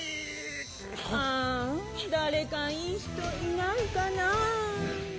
あんだれかいいひといないかな？